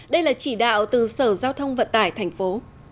đây là chỉ đạo từ sở giao thông vận tải thành phố